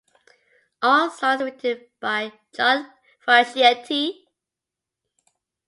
All songs written by John Frusciante.